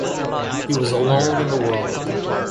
He was alone in the world.